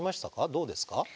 どうですか？